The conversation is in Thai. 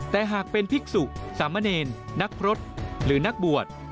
แต่หากเป็นภิกษุสามเณรนักพฤษหรือนักบวช